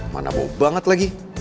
mana bau banget lagi